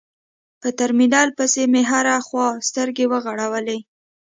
په ترمينل پسې مې هره خوا سترګې وغړولې.